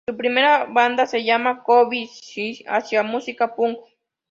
Su primera banda se llamaba "Cowboys" y hacía música punk.